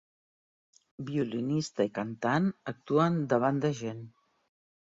Violinista i cantant actuen davant de gent.